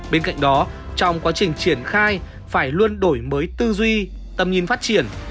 bên cạnh đó trong quá trình triển khai phải luôn đổi mới tư duy tầm nhìn phát triển